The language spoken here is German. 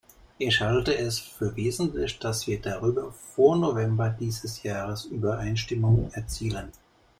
Ich halte es für wesentlich, dass wir darüber vor November dieses Jahres Übereinstimmung erzielen.